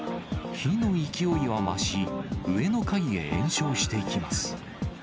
火の勢いは増し、上の階へ延焼していきます。